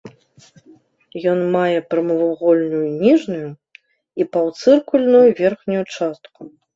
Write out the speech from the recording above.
Ён мае прамавугольную ніжнюю і паўцыркульную верхнюю частку.